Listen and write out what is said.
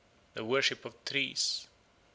The Worship of Trees 1.